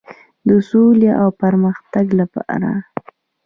د سولې او پرمختګ لپاره.